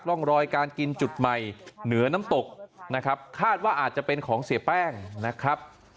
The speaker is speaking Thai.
ร่องรอยการกินจุดใหม่เหนือน้ำตกนะครับคาดว่าอาจจะเป็นของเสียแป้งนะครับ